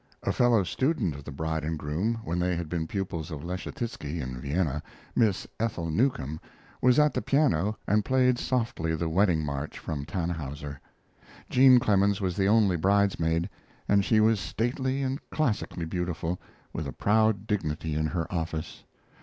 A fellow student of the bride and groom when they had been pupils of Leschetizky, in Vienna Miss Ethel Newcomb was at the piano and played softly the Wedding March from "Taunhauser." Jean Clemens was the only bridesmaid, and she was stately and classically beautiful, with a proud dignity in her office.